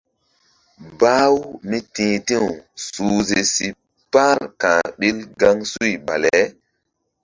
Bah-u mí ti̧h ti̧w suhze si par ka̧h ɓil gaŋsuy bale.